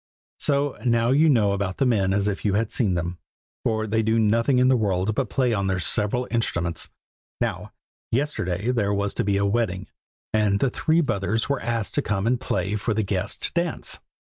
So, now you know about the men as if you had seen them, for they do nothing in the world but play on their several instruments. Now, yesterday there was to be a wedding, and the three brothers were asked to come and play for the guests to dance.